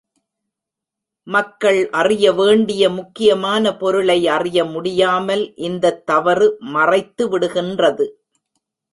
மக்கள் அறிய வேண்டிய முக்கியமான பொருளை அறிய முடியாமல் இந்தத் தவறு மறைத்துவிடுகின்றது.